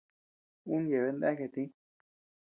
Uu yeabean deakea tïi.